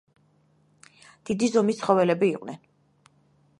დიდი ზომის ცხოველები იყვნენ.